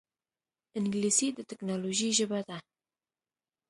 انګلیسي د ټکنالوجۍ ژبه ده